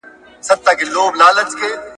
ښايي بیرته سي راپورته او لا پیل کړي سفرونه !.